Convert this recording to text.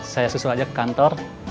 saya susul aja ke kantor